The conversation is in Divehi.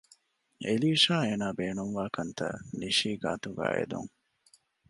އެލީޝާ އޭނަ ބޭނުންވާ ކަންތަށް ނިޝީ ގާތުގައި އެދުން